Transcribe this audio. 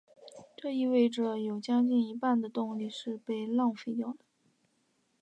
这意味者有将近一半的动力是被浪费掉的。